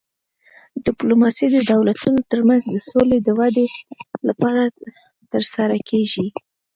ډیپلوماسي د دولتونو ترمنځ د سولې د ودې لپاره ترسره کیږي